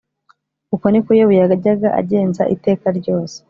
uko ni ko yobu yajyaga agenza iteka ryose